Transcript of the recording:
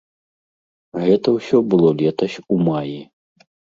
Гэта ўсё было летась у маі.